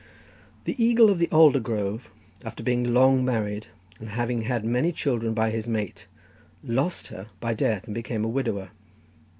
"The eagle of the alder grove, after being long married, and having had many children by his mate, lost her by death, and became a widower.